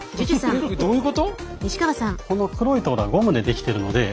これどういうこと？